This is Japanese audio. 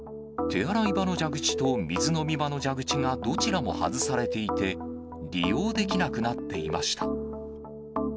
手洗い場の蛇口と、水飲み場の蛇口がどちらも外されていて、利用できなくなっていました。